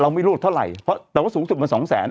ไม่รู้เท่าไหร่เพราะแต่ว่าสูงสุดมันสองแสน